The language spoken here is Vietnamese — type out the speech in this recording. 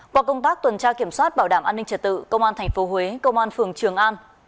qua công tác tuần tra kiểm soát bảo đảm an ninh trật tự công an tp huế công an phường trường an